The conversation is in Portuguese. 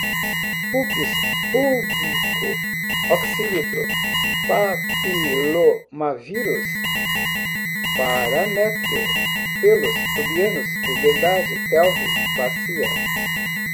púbis, púbico, oxímetro, papilomavírus, paramétrio, pelos pubianos, puberdade, pelve, bacia